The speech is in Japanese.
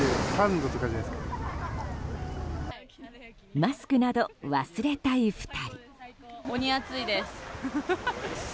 マスクなど忘れたい２人。